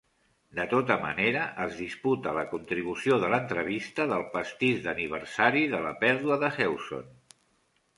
De tota manera, es disputa la contribució de l'entrevista del pastís d'aniversari de la pèrdua de Hewson.